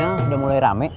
terminal sudah mulai rame